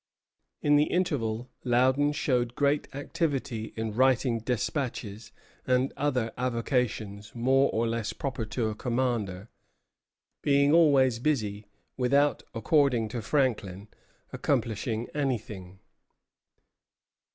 In the interval Loudon showed great activity in writing despatches and other avocations more or less proper to a commander, being always busy, without, according to Franklin, accomplishing anything.